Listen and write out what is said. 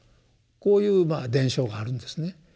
こういう伝承があるんですね。